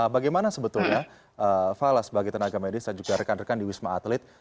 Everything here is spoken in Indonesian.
bagaimana sebetulnya fala sebagai tenaga medis dan juga rekan rekan di wisma atlet